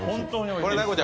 これ奈子ちゃん